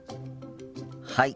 はい。